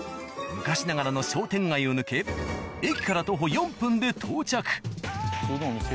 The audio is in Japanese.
昔ながらの商店街を抜け駅から徒歩４分で到着。